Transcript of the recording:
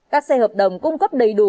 các xe hợp đồng cung cấp đầy đủ